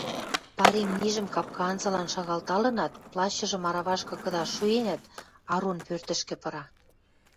Пар имнижӹм капка анзылан шагалталынат, плащыжым аравашкы кыдаш шуэнӓт, Арон пӧртӹшкӹ пыра.